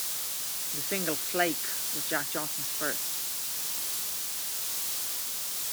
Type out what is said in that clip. The single "Flake" was Jack Johnson's first.